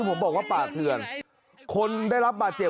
ประเภทประเภทประเภท